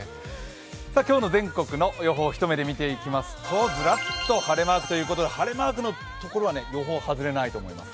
今日の全国の予報を一目で見ていきますとずらっと晴れマークということで晴れマークの所は予報、外れないと思います。